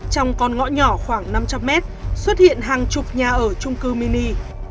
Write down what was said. trong con ngõ nhỏ khoảng năm trăm linh mét xuất hiện hàng chục nhà ở trung cư mini